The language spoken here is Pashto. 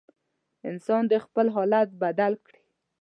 انسان دې خپل حالت بدل کړي.